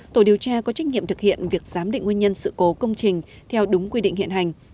tổ điều tra có trách nhiệm thực hiện việc giám định nguyên nhân sự cố công trình theo đúng quy định hiện hành